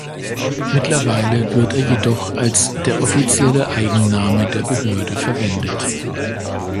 Mittlerweile wird er jedoch als der offizielle Eigenname der Behörde verwendet.